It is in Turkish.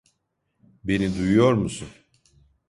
Beni duyuyor musun?